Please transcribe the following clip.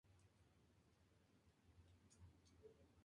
Se desempeñó en la posición de delantero.